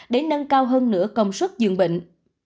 để nâng cao hơn nửa công suất dường bệnh